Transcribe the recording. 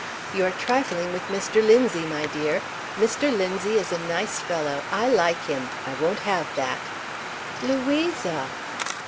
"You are trifling with Mr. Linzie, my dear. Mr. Linzie is a nice fellow. I like him. I won't have that." "Louisa!"